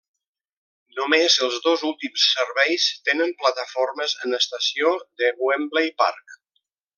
Només els dos últims serveis tenen plataformes en estació de Wembley Parc.